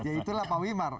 ya itulah pak wimar